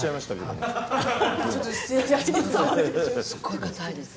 すごい硬いです。